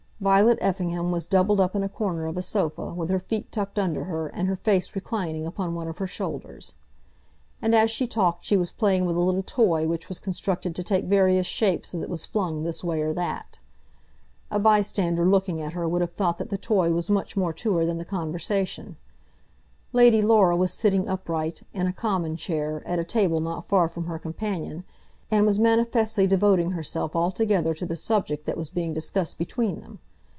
Violet Effingham was doubled up in a corner of a sofa, with her feet tucked under her, and her face reclining upon one of her shoulders. And as she talked she was playing with a little toy which was constructed to take various shapes as it was flung this way or that. A bystander looking at her would have thought that the toy was much more to her than the conversation. Lady Laura was sitting upright, in a common chair, at a table not far from her companion, and was manifestly devoting herself altogether to the subject that was being discussed between them.